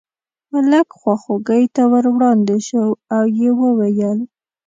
ملک خواخوږۍ ته ور وړاندې شو او یې وویل.